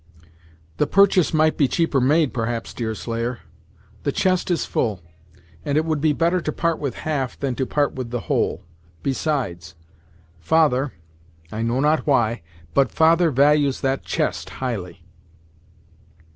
"The purchase might be cheaper made, perhaps, Deerslayer. The chest is full, and it would be better to part with half than to part with the whole. Besides, father I know not why but father values that chest highly."